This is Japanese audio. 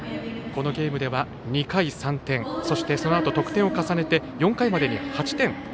このゲームでは２回３点そして得点を重ねて４回までに８点。